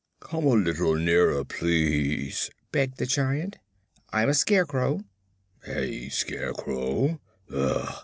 "Come a little nearer, please," begged the Giant. "I'm a Scarecrow." "A Scarecrow?